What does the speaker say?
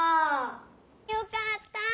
よかった！